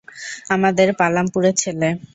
আমাদের পালামপুরের ছেলে!